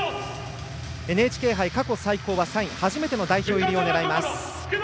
ＮＨＫ杯、過去最高は３位初めての代表入りを狙います。